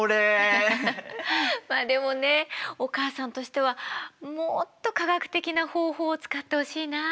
まあでもねお母さんとしてはもっと科学的な方法を使ってほしいな。